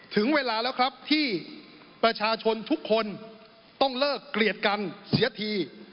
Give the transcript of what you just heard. ถึงเวลาแล้วครับที่ประชาชนทุกคนต้องเลิกเกลียดกันเสียที